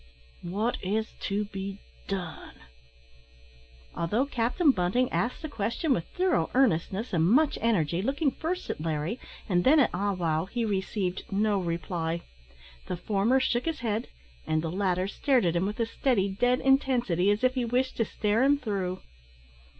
What is to be done?" Although Captain Bunting asked the question with thorough earnestness and much energy, looking first at Larry and then at Ah wow, he received no reply. The former shook his head, and the latter stared at him with a steady, dead intensity, as if he wished to stare him through.